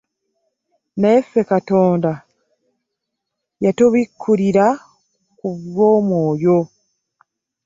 Naye ffe Katonda yatubibikkulira ku bw'Omwoyo.